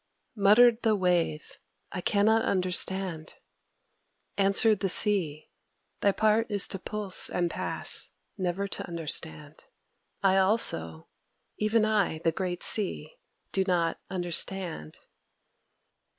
Muttered the Wave, "I cannot understand." Answered the Sea, "Thy part is to pulse and pass, never to understand. I also, even I, the great Sea, do not understand...."